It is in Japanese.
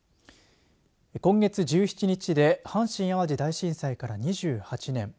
今月１７日で阪神淡路大震災から２８年。